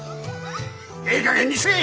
ええかげんにせえ！